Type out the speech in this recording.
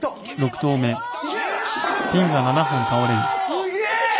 「すげえ！」